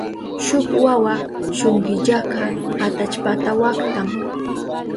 Shuk wawa shunkillaka atallpata waktan.